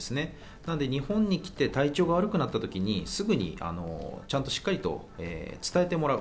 なので日本に来て体調が悪くなった時に、すぐにしっかりと伝えてもらう。